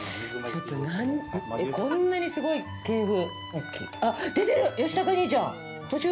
こんなにすごい系譜。